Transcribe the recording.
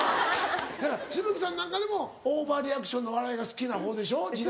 紫吹さんなんかでもオーバーリアクションの笑いが好きな方でしょ時代。